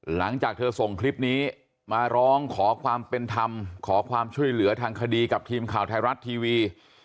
หลังจากเธอส่งคลิปนี้มาร้องขอความเป็นธรรมขอความช่วยเหลือทางคดีกับทีมข่าวไทยรัฐทีวี